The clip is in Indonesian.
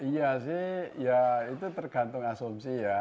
iya sih ya itu tergantung asumsi ya